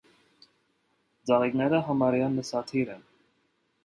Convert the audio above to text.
Ծաղիկները համարյա նսադիր են։